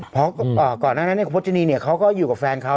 เพราะก่อนนั้นเนี่ยคุณโภชนีเนี่ยเค้าก็อยู่กับแฟนเค้า